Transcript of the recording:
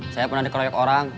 saya pernah dikeroyok orang